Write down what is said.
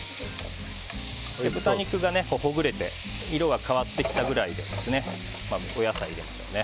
豚肉がほぐれて色が変わってきたぐらいでお野菜を入れましょうね。